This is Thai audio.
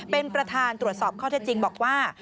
เป็นประธานตรวจสอบข้อเท็จจริงบอกว่า